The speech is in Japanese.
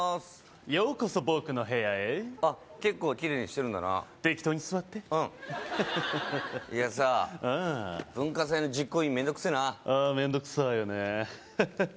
ようこそ僕の部屋へあっ結構キレイにしてるんだな適当に座ってうんハハハハいやさ文化祭の実行委員面倒くせえなああ面倒くさいよねハハハハッ